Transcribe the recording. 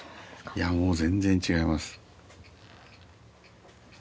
いやもう全然違います